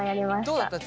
どうだった？